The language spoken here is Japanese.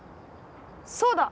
そうだ！